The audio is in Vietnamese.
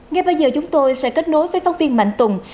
ngay bây giờ chúng tôi sẽ kết nối với phóng viên mạnh tùng